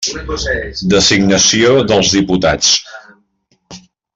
Designació dels diputats.